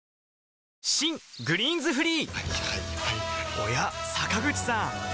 おや坂口さん